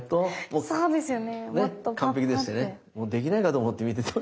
もうできないかと思って見てた。